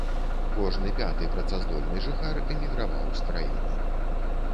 Кожны пяты працаздольны жыхар эміграваў з краіны.